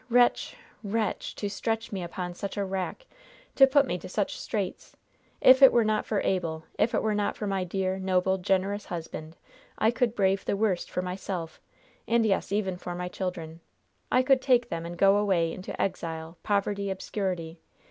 wretch! wretch! to stretch me upon such a rack! to put me to such straits! If it were not for Abel! If it were not for my dear, noble, generous husband, I could brave the worst for myself and, yes, even for my children! I could take them and go away into exile, poverty, obscurity.